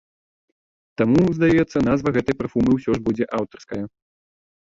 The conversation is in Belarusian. Таму, здаецца, назва гэтай парфумы ўсё ж будзе аўтарская.